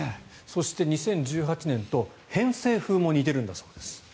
そして２０１８年と偏西風も似ているんだそうです。